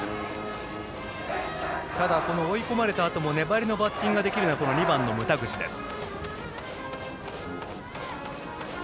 追い込まれたあとも粘りのバッティングができるのが２番の牟田口です。